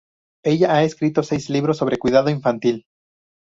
Ella ha escrito seis libros sobre cuidado infantil.